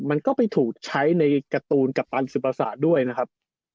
มันก็ไปถูกใช้ในการ์ตูนกัปตันสุประสาทด้วยนะครับ